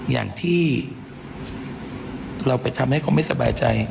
อย่างที่เราไปทำให้เขาไม่สบายใจ